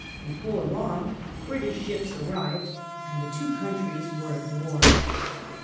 Before long British Bhips arrived ; and the two countries were at war.